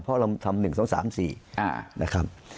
เพราะเราทำ๑๒๓๔นะครับ